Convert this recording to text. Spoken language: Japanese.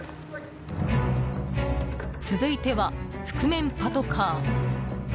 続いては覆面パトカー。